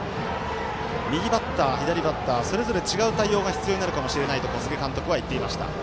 右バッター、左バッターそれぞれ違う対応が必要になるかもしれないと小菅監督は言っていました。